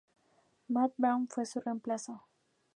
Matt Brown fue su reemplazo.